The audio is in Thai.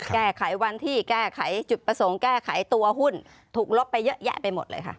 แก้ไขวันที่แก้ไขจุดประสงค์แก้ไขตัวหุ้นถูกลบไปเยอะแยะไปหมดเลยค่ะ